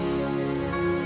tapi akhirnya dia gak datang